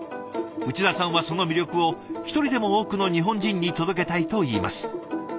内田さんはその魅力を一人でも多くの日本人に届けたいといいます。